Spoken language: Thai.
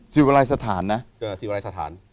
สิวรายสถานนะ